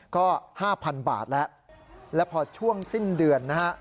ก็๕๐๐๐บาทแล้วแล้วพอช่วงสิ้นเดือนนะฮะ